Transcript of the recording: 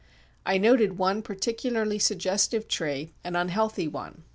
I noted one particularly suggestive tree, an unhealthy one.